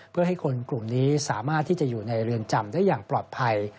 เพื่อให้คนกลุ่มนี้สามารถที่จะอยู่ในเรือนจำได้อย่างปลอดภัย